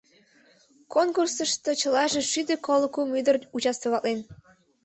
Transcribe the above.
— Конкурсышто чылаже шӱдӧ коло кум ӱдыр участвоватлен.